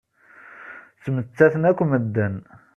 Ttmettaten akk medden.